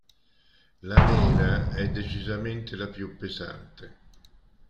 La "Nera" è decisamente la più pesante.